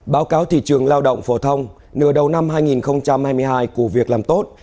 báo cáo thị trường lao động phổ thông nửa đầu năm hai nghìn hai mươi hai của việc làm tốt